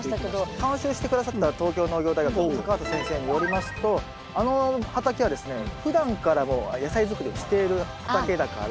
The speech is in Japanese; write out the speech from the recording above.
監修して下さった東京農業大学の畑先生によりますとあの畑はですねふだんからもう野菜づくりをしている畑だから。